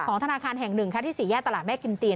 ของธนาคารแห่งหนึ่งที่สี่แย่ตลาดแม่กินเตียน